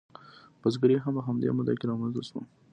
بزګري هم په همدې موده کې رامنځته شوه.